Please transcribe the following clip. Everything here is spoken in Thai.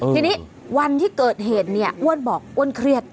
ทีนี้วันที่เกิดเหตุเนี่ยอ้วนบอกอ้วนเครียด